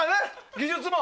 技術も。